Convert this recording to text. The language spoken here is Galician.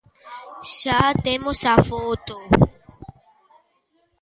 Xa temos a foto.